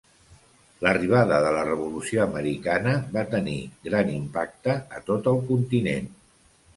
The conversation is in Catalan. L'arribada de la revolució americana va tenir gran impacte a tot el continent.